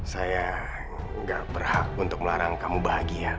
saya tidak berhak untuk melarang kamu bahagia